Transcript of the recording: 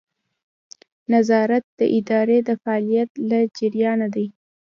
نظارت د ادارې د فعالیت له جریانه دی.